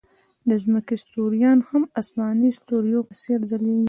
د ځمکې ستوریان هم د آسماني ستوریو په څېر ځلېږي.